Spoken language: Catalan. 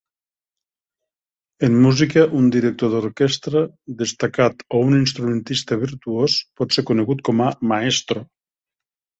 En música, un director d'orquestra destacat o un instrumentista virtuós pot ser conegut com a "maestro".